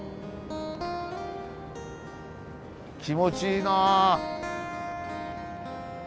気持ちいいな。